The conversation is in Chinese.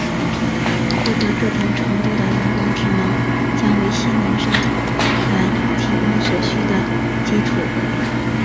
获得这种程度的人工智能将为心灵上传提供所需的基础。